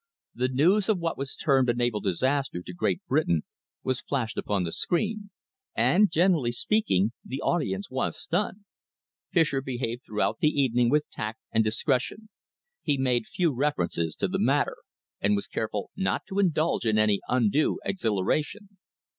The news of what was termed a naval disaster to Great Britain was flashed upon the screen, and, generally speaking, the audience was stunned. Fischer behaved throughout the evening with tact and discretion. He made few references to the matter, and was careful not to indulge in any undue exhilaration.